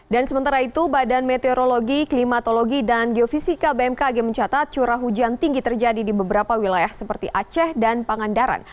dan sementara itu badan meteorologi klimatologi dan geofisika bmkg mencatat curah hujan tinggi terjadi di beberapa wilayah seperti aceh dan pangandaran